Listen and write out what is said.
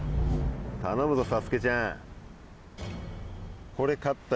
頼むぞ佐助ちゃん。